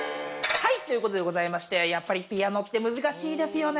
はい、ということでございまして、やっぱりピアノって難しいですよね。